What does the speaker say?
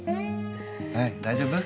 はい大丈夫？